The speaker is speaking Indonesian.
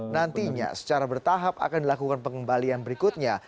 nantinya secara bertahap akan dilakukan pengembalian berikutnya